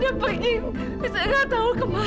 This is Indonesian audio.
dia pergi dia marah sekali sama saya